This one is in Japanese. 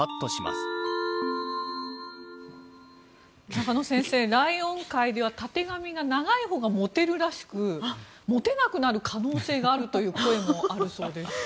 中野先生、ライオン界ではたてがみが長いほうがモテるらしくモテなくなる可能性があるという声もあるそうです。